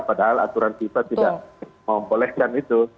padahal aturan viva tidak memperbolehkan itu